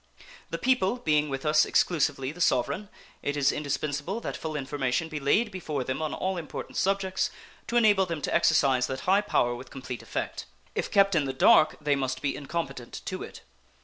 The people being with us exclusively the sovereign, it is indispensable that full information be laid before them on all important subjects, to enable them to exercise that high power with complete effect. If kept in the dark, they must be incompetent to it.